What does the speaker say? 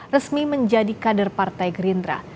resmi menjadi kader partai gerindra